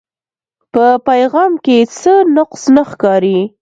پۀ پېغام کښې څۀ نقص نۀ ښکاري